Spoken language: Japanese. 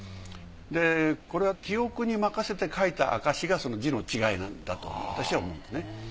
でこれは記憶に任せて書いた証しがその字の違いなんだと私は思うんですね。